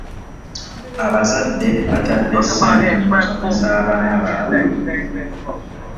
Abazadde batadde ssente mu kusomesa abaana baabwe.